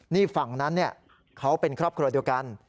นี่ฝั่งนั้นเขาเป็นครอบครัวเดียวกัน